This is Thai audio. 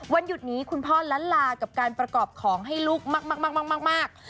หยุดนี้คุณพ่อล้านลากับการประกอบของให้ลูกมาก